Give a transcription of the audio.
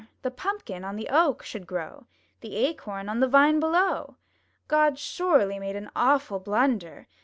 The Pumpkin on the oak should grow, The Acorn on the vine below; God surely made an awful blunder!